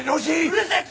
うるせえ！